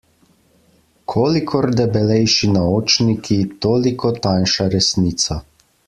Kolikor debelejši naočniki, toliko tanjša resnica.